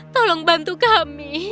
tolong bantu kami